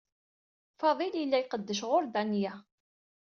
Faḍil yella yqeddec ɣur Danya.